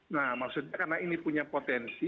nah maksudnya karena ini punya potensi